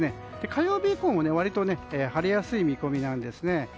火曜日以降も割と晴れやすい見込みなんですね。